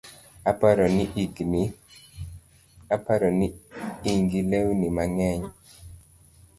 Aparo ni ingi lewni mang'eny